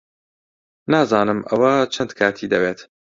نازانم ئەوە چەند کاتی دەوێت.